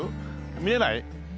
見えない？